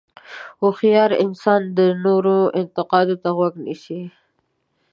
هوښیار انسان د نورو انتقاد ته غوږ نیسي.